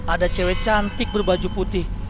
ada cewek cantik berbaju putih